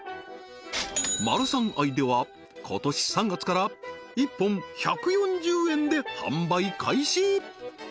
マルサンアイでは今年３月から１本１４０円で販売開始